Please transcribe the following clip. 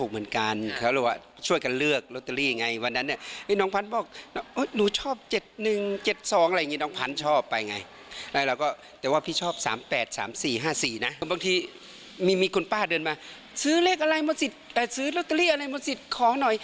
มาสิทธิ์ซื้อลอตเตอรี่อะไรมันสิทธิ์ของหน่อย